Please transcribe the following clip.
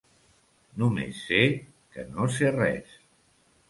Només sé que no sé res.